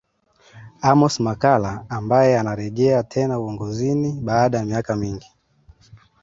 Amos Makalla ambaye anarejea tena uongozini baada ya miaka mingi